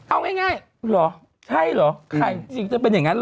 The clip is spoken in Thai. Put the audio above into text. เอาง่ายเหรอใช่เหรอใครจริงจะเป็นอย่างนั้นเหรอ